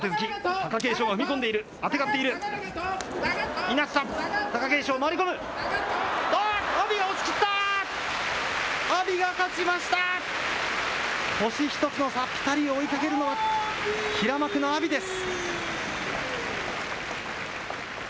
星１つの差、追いかけるのは平幕の阿炎です。